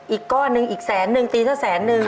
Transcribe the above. อีกก้อนหนึ่งอีกแสนนึงตีซะแสนนึง